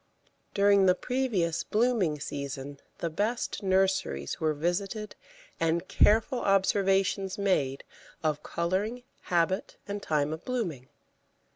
During the previous blooming season the best nurseries were visited and careful observations made of colouring, habit, and time of blooming.